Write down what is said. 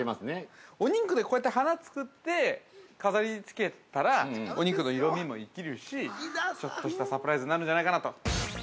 お肉で、こうやって花を作って、飾りつけたら、お肉の色味も生きるし、ちょっとサプライズになるんじゃないかなと。